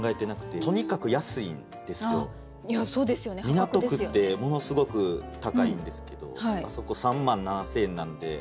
港区ってものすごく高いんですけどあそこ３万７，０００円なんで。